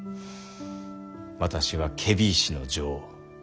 私は検非違使の尉。